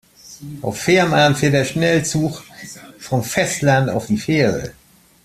Auf Fehmarn fährt der Schnellzug vom Festland auf die Fähre.